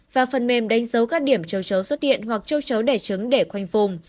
và phần mềm đánh dấu các điểm châu chấu xuất hiện hoặc châu chấu đẻ trứng để khoanh vùng